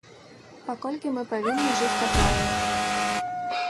Паколькі мы павінны жыць па правілах.